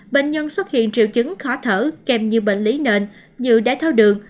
bệnh nhân xuất hiện triệu chứng khó thở kèm nhiều bệnh lý nền như đáy tháo đường